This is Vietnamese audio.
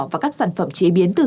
và các sản phẩm chế biến từ dầu